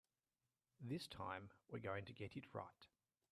This time we're going to get it right.